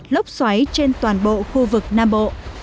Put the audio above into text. lốc xoáy trên toàn bộ khu vực nam bộ